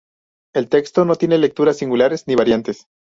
El texto no tiene lecturas singulares ni variantes.